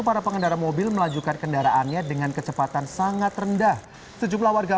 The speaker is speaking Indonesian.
para pengendara mobil melanjutkan kendaraannya dengan kecepatan sangat rendah sejumlah warga